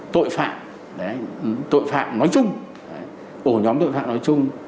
tội phạm tội phạm nói chung ổ nhóm tội phạm nói chung